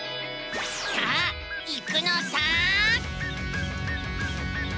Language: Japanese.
さあ行くのさ！